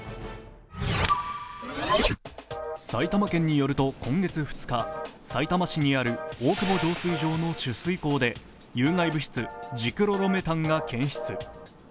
埼玉県によると今月２日、さいたま市にある大久保浄水場の取水口で有害物質、ジクロロメタンが検出。